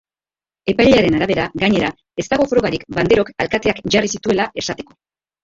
Epailearen arabera, gainera, ez dago frogarik banderok alkateak jarri zituela esateko.